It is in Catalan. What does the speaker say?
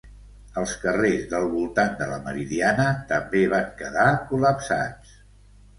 Els carrers del voltant de la Meridiana també van quedar col·lapsats